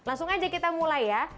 langsung aja kita mulai ya